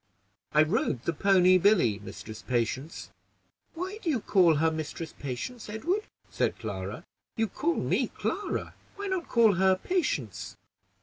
"I rode the pony Billy, Mistress Patience." "Why do you call her Mistress Patience, Edward?" said Clara. "You call me Clara; why not call her Patience?"